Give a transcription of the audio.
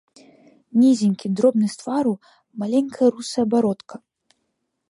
Нізенькі, дробны з твару, маленькая русая бародка.